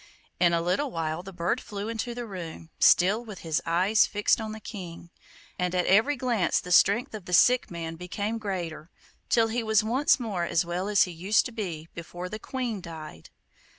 In a little while the bird flew into the room, still with his eyes fixed on the King, and at every glance the strength of the sick man became greater, till he was once more as well as he used to be before the Queen died.